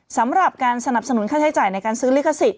สำหรับการสนับสนุนค่าใช้จ่ายในการซื้อลิขสิท